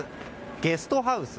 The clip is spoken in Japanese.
ゲストハウス